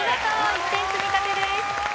１点積み立てです。